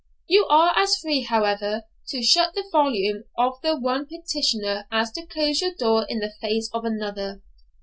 You are as free, however, to shut the volume of the one petitioner as to close your door in the face of the other.